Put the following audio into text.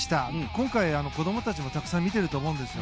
今回、子供たちもたくさん見ていると思うんです。